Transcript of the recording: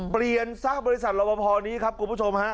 เปลี่ยนซะบริษัทลอวพอนี้ครับกลุ่มผู้ชมฮะ